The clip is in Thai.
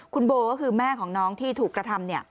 คุณโบก็คือแม่ของน้องที่ถูกกระทำ